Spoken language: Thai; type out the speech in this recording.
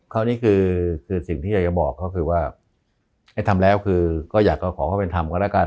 คราวนี้คือสิ่งที่อยากจะบอกก็คือว่าให้ทำแล้วคือก็อยากจะขอความเป็นธรรมก็แล้วกัน